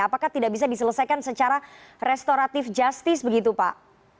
apakah tidak bisa diselesaikan secara restoratif justice begitu pak